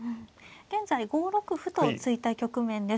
現在５六歩と突いた局面です。